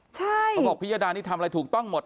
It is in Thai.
เขาบอกพิยดานี่ทำอะไรถูกต้องหมด